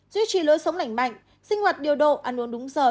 duy trì lối sống lành mạnh sinh hoạt điều độ ăn uống đúng giờ